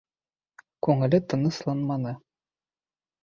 Күңеле тынысланманы.